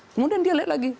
kemudian dia lihat lagi